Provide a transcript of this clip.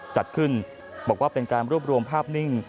จัดขึ้นบอกว่าเป็นการรวบรวมภาพนิ่ง